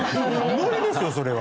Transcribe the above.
無理ですよそれは。